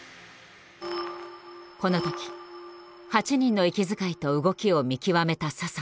この時８人の息遣いと動きを見極めた佐々野。